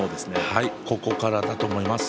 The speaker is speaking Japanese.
ここからだと思います。